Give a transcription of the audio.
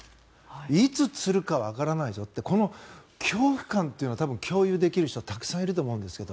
いつつるかわからないぞってこの恐怖感というのは共有できる人たくさんいると思うんですけど。